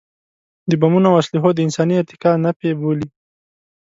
د بمونو او اسلحو د انساني ارتقا نفي بولي.